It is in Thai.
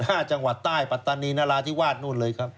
ห้าจังหวัดใต้ปัตตานีนราธิวาสนู่นเลยครับ